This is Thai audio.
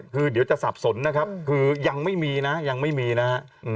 คือเดี๋ยวจะสับสนนะครับคือยังไม่มีนะยังไม่มีนะฮะ